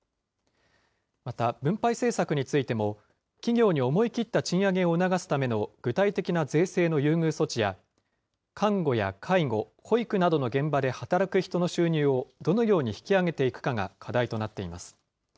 また、分配政策についても、企業に思い切った賃上げを促すための具体的な税制の優遇措置や、看護や介護、保育などの現場で働く人の収入をどのように引き上げていくかが課題となっています。